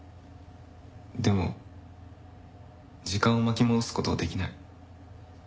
でも時間を巻き戻す事はできない。